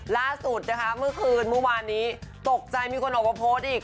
ล่าสุดนะคะเมื่อคืนเมื่อวานนี้ตกใจมีคนออกมาโพสต์อีก